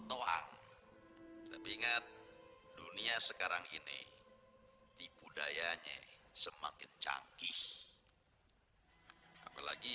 doang lebih ingat dunia sekarang ini di budayanya semakin canggih hai apa lagi